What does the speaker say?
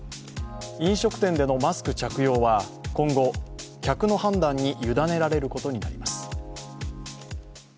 飲食店でのマスク着用は今後、客の判断に委ねられることになります。